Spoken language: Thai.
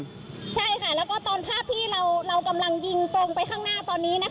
ใช่ค่ะแล้วก็ตอนภาพที่เรากำลังยิงตรงไปข้างหน้าตอนนี้นะคะ